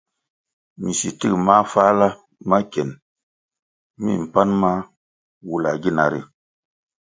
Minsitik mafáhla ma kien mi mpan ma wula gina ri.